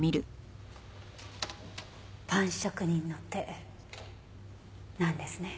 パン職人の手なんですね。